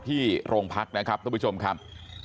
ที่โรงพักนะครับท่านผู้ชมครับ